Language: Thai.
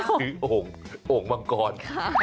คือโอ่งโอ่งมังกร